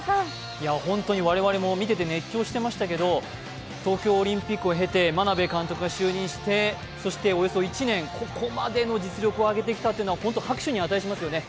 本当に我々も見てて熱狂してましたけど東京オリンピックを経て、眞鍋監督が就任してそしておよそ１年、ここまでの実力を上げてきたというのは本当に拍手に値しますよね。